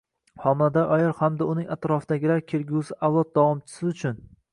Homilador ayol hamda uning atrofidagilar kelgusi avlod davomchisi uchun